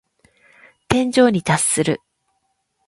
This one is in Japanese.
天井に達する。